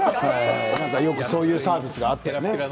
そういうサービスがあって。